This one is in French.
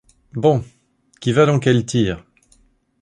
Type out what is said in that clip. Bon, qui va dans quelle tire ?